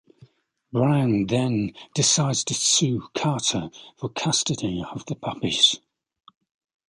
Brian then decides to sue Carter for custody of the puppies.